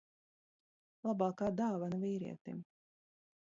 Labākā dāvana vīrietim.